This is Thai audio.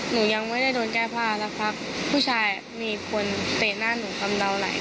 หนูยังไม่ได้โดนแก้ผ้าสักพักผู้ชายมีคนเตะหน้าหนูคำเดาไหล